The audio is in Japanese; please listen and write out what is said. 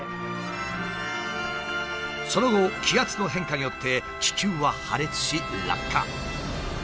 その後気圧の変化によって気球は破裂し落下。